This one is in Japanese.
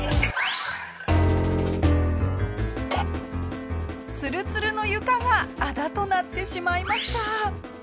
ツルツルの床があだとなってしまいました。